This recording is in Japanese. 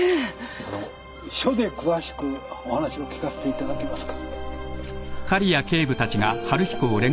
あのう署で詳しくお話を聞かせていただけますか？